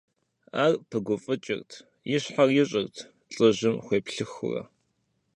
Ар пыгуфӀыкӀырт, и щхьэр ищӀырт, лӀыжьым хуеплъыхыурэ.